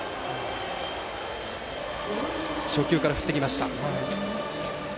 初球から振ってきました。